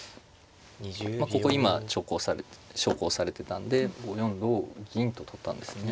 まあここ今小考されてたんで５四同銀と取ったんですね。